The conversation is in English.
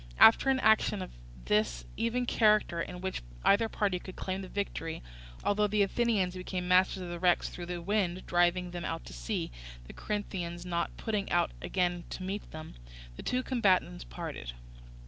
After an action of this even character, in which either party could claim the victory (although the Athenians became masters of the wrecks through the wind driving them out to sea, the Corinthians not putting out again to meet them), the two combatants parted.